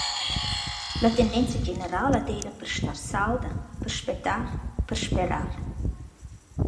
La tendenza generala d’eira per star salda, per spettar, per sperar.